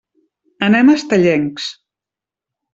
Anem a Estellencs.